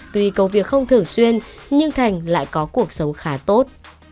tuy công việc không thường xuyên nhưng thành lại có cuộc sống khá tốt